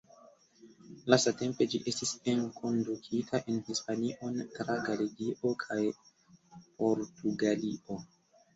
Lastatempe ĝi estis enkondukita en Hispanion tra Galegio kaj Portugalio.